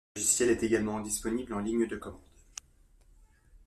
Le logiciel est également disponible en ligne de commande.